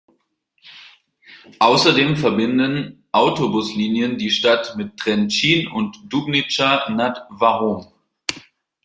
Außerdem verbinden Autobuslinien die Stadt mit Trenčín und Dubnica nad Váhom.